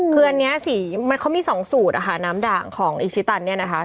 คืออันนี้สีมันเขามีสองสูตรอะค่ะน้ำด่างของอิชิตันเนี่ยนะคะ